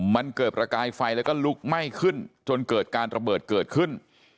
มันเกิดประกายไฟแล้วก็ลุกไหม้ขึ้นจนเกิดการระเบิดเกิดขึ้น